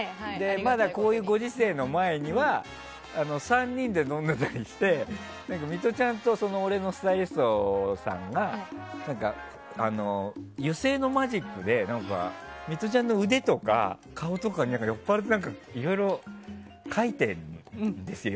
まだこういうご時世の前には３人で飲んでたりしてミトちゃんと俺のスタイリストさんが油性のマジックでミトちゃんの腕とか顔とかに酔っぱらっていろいろ描いてんですよ。